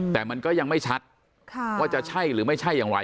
แต่มันก็ยังไม่ชัดว่าจะใช่หรือไม่ใช่อย่างไร